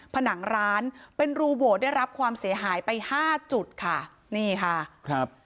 ผนังร้านเป็นรูโหวตได้รับความเสียหายไปห้าจุดค่ะนี่ค่ะครับ